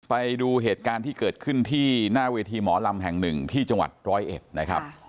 ไปดูเหตุการณ์ที่เกิดขึ้นที่หน้าเวทีหมอลำแห่งหนึ่งที่จังหวัดร้อยเอ็ดนะครับ